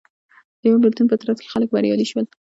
د یوه بېلتون په ترڅ کې خلک بریالي شول